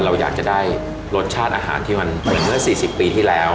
เราอยากจะได้รสชาติอาหารที่มันเหมือนเมื่อ๔๐ปีที่แล้ว